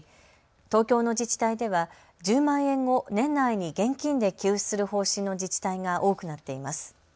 東京の自治体では１０万円を年内に現金で給付する方針の自治体が多くなっています。